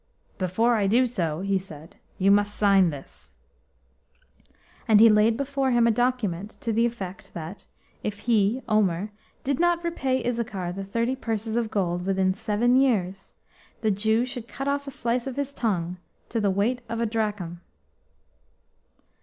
"Before I do so," he said, "you must sign this." And he laid before him a document to the effect that if he, Omer, did not repay Issachar the thirty purses of gold within seven years, the Jew should cut off a slice of his tongue to the weight of a drachm.